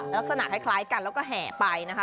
ลักษณะคล้ายกันแล้วก็แห่ไปนะคะ